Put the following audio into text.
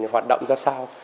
hoạt động ra sao